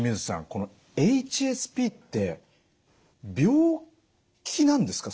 このＨＳＰって病気なんですか？